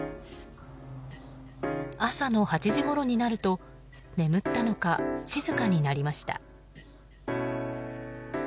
朝の８時ごろになると眠ったのか、静かになりました。